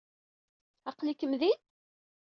Aql-ikem din?